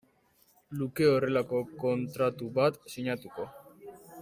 luke horrelako kontratu bat sinatuko.